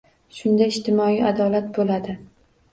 Shunda ijtimoiy adolat bo'ladi